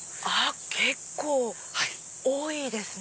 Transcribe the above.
結構多いですね。